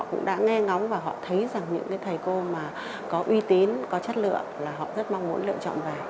cũng đã nghe ngóng và họ thấy rằng những cái thầy cô mà có uy tín có chất lượng là họ rất mong muốn lựa chọn về